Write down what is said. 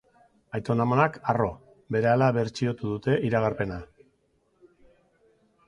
Aitona-amonak, harro, berehala bertxiotu dute iragarpena.